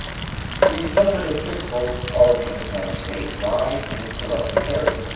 The fundamental principle of the hypnotic state lies in its selective character.